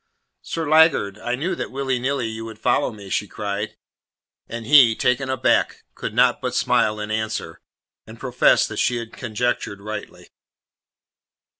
"Sir laggard, I knew that willy nilly you would follow me," she cried. And he, taken aback, could not but smile in answer, and profess that she had conjectured rightly.